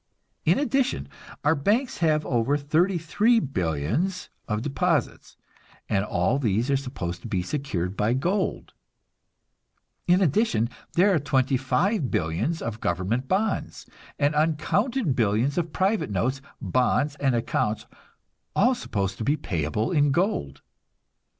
In addition, our banks have over thirty three billions of deposits, and all these are supposed to be secured by gold; in addition, there are twenty five billions of government bonds, and uncounted billions of private notes, bonds and accounts, all supposed to be payable in gold.